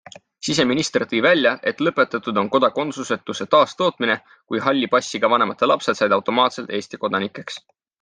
Siseminister tõi välja, et lõpetatud on kodakondsusetuse taastootmine, kui halli passiga vanemate lapsed said automaatselt Eesti kodanikeks.